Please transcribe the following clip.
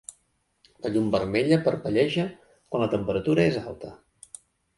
La llum vermella parpelleja quan la temperatura és alta.